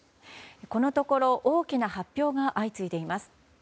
このところ大きな発表が相次いでいます。